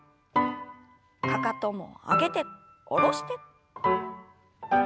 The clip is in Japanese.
かかとも上げて下ろして。